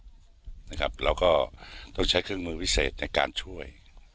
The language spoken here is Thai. เราก็ต้องใช้เครื่องมือพิเศษในการช่วย